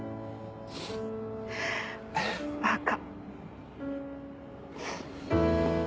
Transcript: バカ。